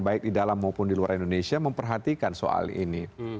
baik di dalam maupun di luar indonesia memperhatikan soal ini